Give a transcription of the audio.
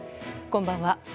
こんばんは。